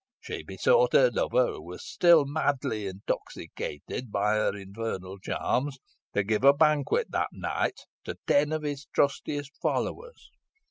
She besought her lover, who was still madly intoxicated by her infernal charms, to give a banquet that night to ten of his trustiest followers.